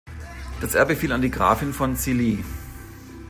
Das Erbe fiel an die Grafen von Cilli.